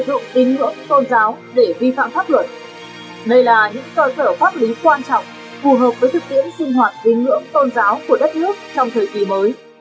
đây là những cơ sở pháp lý quan trọng phù hợp với thực tiễn sinh hoạt tín ngưỡng tôn giáo của đất nước trong thời kỳ mới